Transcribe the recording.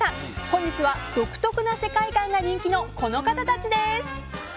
本日は独特な世界観が人気のこの方たちです。